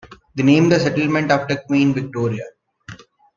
They named the settlement after Queen Victoria.